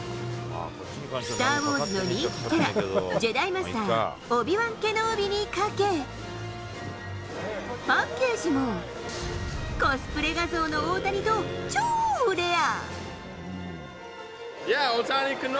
スター・ウォーズの人気キャラ、ジェダイマスター、オビ・ワン・ケノービにかけ、パッケージも、コスプレ画像の大谷と超レア。